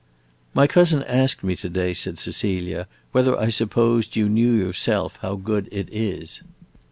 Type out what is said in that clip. "My cousin asked me to day," said Cecilia, "whether I supposed you knew yourself how good it is."